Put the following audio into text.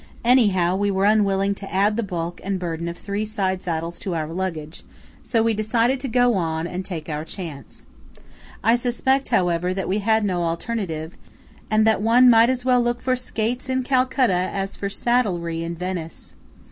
Anyhow, we were unwilling to add the bulk and burden of three side saddles to our luggage; so we decided to go on, and take our chance. I suspect, however, that we had no alternative, and that one might as well look for skates in Calcutta as for saddlery in Venice.